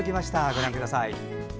ご覧ください。